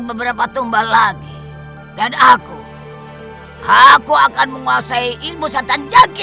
beberapa tumbang lagi dan aku aku akan menguasai ilmu setan jagi